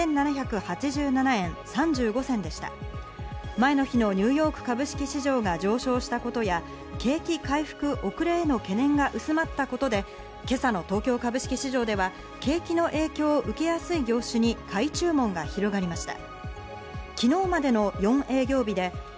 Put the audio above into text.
前の日のニューヨーク株式市場が上昇したことや景気回復遅れへの懸念が薄まったことで今朝の東京株式市場では景気の影響を受けやすい業種に買い注文が広がりました。